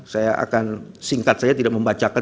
saya akan singkat saja tidak membacakan